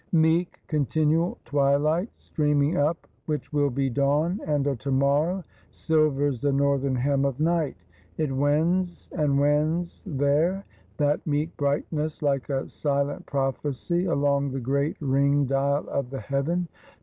Meek continual Twilight streaming up, which will be Dawn and a To morrow, silvers the Northern hem of Night; it wends and wends there, that meek brightness like a silent prophecy, along the great ring dial of the Heaven.